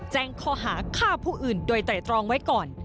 แจ้งข้อหาฆ่าผู้อื่นโดยไตรตรองไว้ก่อน